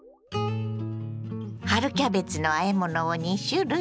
春キャベツのあえ物を２種類。